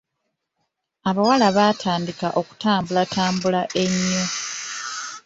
Abawala baatandika okutambulatambula ennyo.